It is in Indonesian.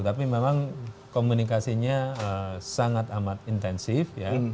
tapi memang komunikasinya sangat amat intensif ya